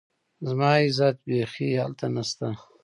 زما عزت بيخي هلته نشته